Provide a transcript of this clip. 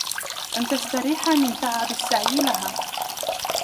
أَنْ تَسْتَرِيحَ مِنْ تَعَبِ السَّعْيِ لَهَا